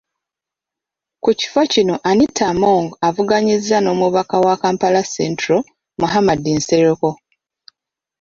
Ku kifo kino, Anita Among avuganyizza n’omubaka wa Kampala Central, Muhammad Nsereko.